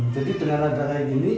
jadi dengan ada kayak gini